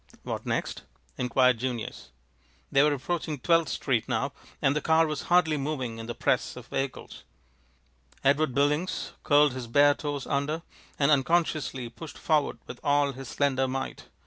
"What next?" inquired Junius. They were approaching Twelfth Street now, and the car was hardly moving in the press of vehicles. Edward Billings curled his bare toes under, and unconsciously pushed forward with all his slender might.